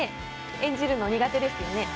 演じるの苦手ですよね？